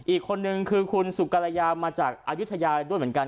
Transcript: อีกคนนึงคือคุณสุกรยามาจากอายุทยาด้วยเหมือนกัน